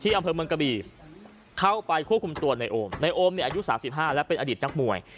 อำเภอเมืองกะบี่เข้าไปควบคุมตัวในโอมในโอมเนี่ยอายุ๓๕และเป็นอดีตนักมวย